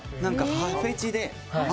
歯フェチで。